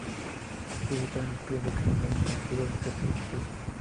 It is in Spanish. Se sitúa a pies del Camino de Santiago y cerca de Estella.